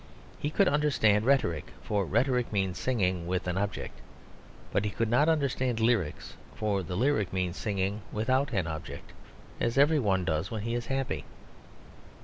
He could understand rhetoric; for rhetoric means singing with an object. But he could not understand lyrics; for the lyric means singing without an object; as every one does when he is happy.